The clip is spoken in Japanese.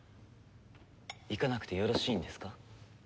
行かなくてよろしいんですか？